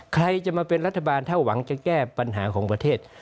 ใครจะมาเป็นรัฐบาลถ้าหวังจะแก้ปัญหาของประเทศ